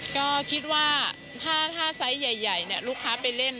ก็คิดว่าถ้าไซส์ใหญ่ลูกค้าไปเล่น